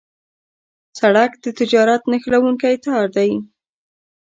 سړک د تجارت نښلونکی تار دی.